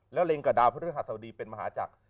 และเล็งกับดาวพฤษฐศาสตรีเป็นมหาจักร